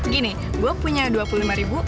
gini gue punya dua puluh lima ribu